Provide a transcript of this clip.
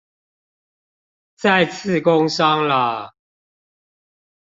再次工商啦